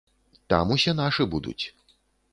Там усе нашы будуць.